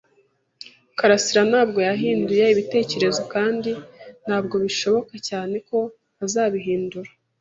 karasira ntabwo yahinduye ibitekerezo kandi ntabwo bishoboka cyane ko azabihindura.